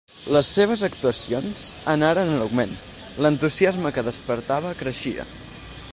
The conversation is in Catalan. Les seves actuacions anaren en augment, l'entusiasme que despertava creixia.